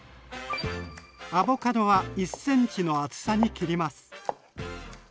アボカドは１センチの厚さに切ります。